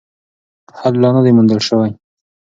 حل لا نه دی موندل سوی.